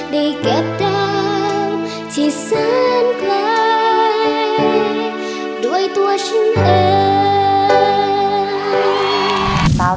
ได้เก็บดาวที่สั้นไกล